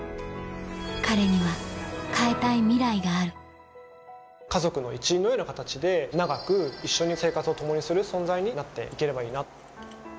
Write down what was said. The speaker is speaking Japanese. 彼には変えたいミライがある家族の一員のような形で長く一緒に生活を共にする存在になって行ければいいな。